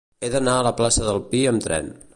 He d'anar a la plaça del Pi amb tren.